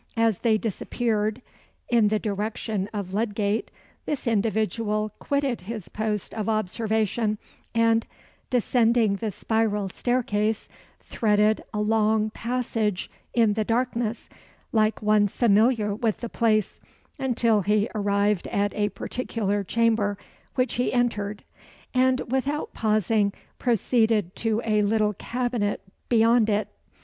As they disappeared in the direction of Ludgate, this individual quitted his post of observation, and, descending the spiral staircase, threaded a long passage in the darkness, like one familiar with the place, until he arrived at a particular chamber, which he entered; and, without pausing, proceeded to a little cabinet beyond it.